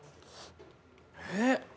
えっ！